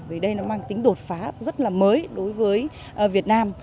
vì đây nó mang tính đột phá rất là mới đối với việt nam